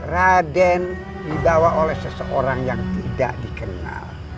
raden dibawa oleh seseorang yang tidak dikenal